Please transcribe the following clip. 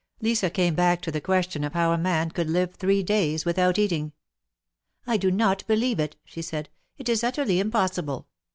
Lisa came back to the question of how a man could live three days without eating. " I do not believe it," she said. " It is utterly impos sible.